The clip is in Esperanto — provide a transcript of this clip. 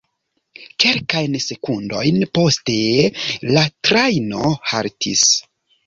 Kelkajn sekundojn poste la trajno haltis.